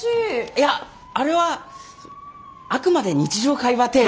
いやあれはあくまで日常会話程度。